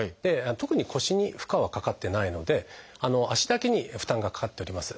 特に腰に負荷はかかってないので足だけに負担がかかっております。